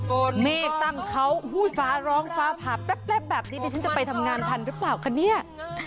เมฆตั้งเขาฟ้าร้องฟ้าผ่าแป๊บแบบนี้ดิฉันจะไปทำงานทันหรือเปล่าคะเนี่ย